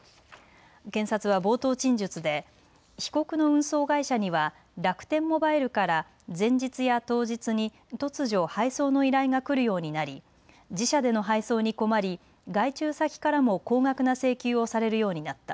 検察は冒頭陳述で被告の運送会社には楽天モバイルから前日や当日に突如配送の依頼が来るようになり自社での配送に困り、外注先からも高額な請求をされるようになった。